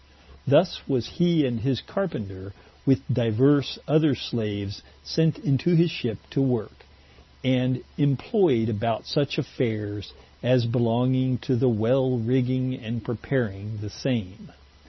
Thus was he and his Carpenter with divers other slaves sent into his ship to worke, and imployed about such affaires, as belonged to the well rigging and preparing the same.